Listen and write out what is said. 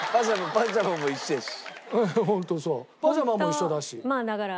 パジャマも一緒だし。